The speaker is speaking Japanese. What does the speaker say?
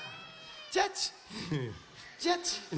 ジャッチジャッチ。